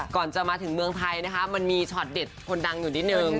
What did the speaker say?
ก่อนจะมาถึงเมืองไทยนะคะมันมีช็อตเด็ดคนดังอยู่นิดนึง